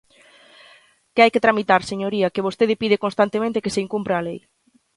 Que hai que tramitar, señoría, que vostede pide constantemente que se incumpra a lei.